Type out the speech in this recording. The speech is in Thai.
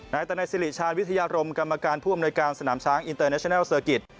นายตนัยสิริชาญวิทยารมกรรมการผู้อำนวยการสนามช้างอินเตอร์เนชนัลเซอร์กิจ